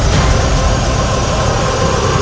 mereka akan menemukan